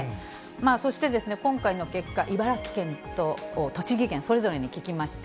そして今回の結果、茨城県と栃木県、それぞれに聞きました。